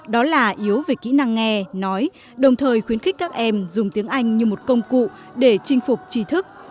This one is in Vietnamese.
đó là yếu về kỹ năng nghe nói đồng thời khuyến khích các em dùng tiếng anh như một công cụ để chinh phục trí thức